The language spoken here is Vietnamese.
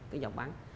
cái giọt bắn